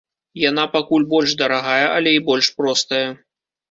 Яна пакуль больш дарагая, але і больш простая.